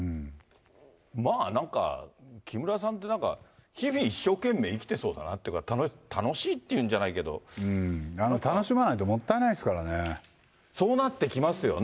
まあ、なんか、木村さんってなんか、日々一生懸命生きてそうだなっていうか、うん、楽しまないと、もったそうなってきますよね。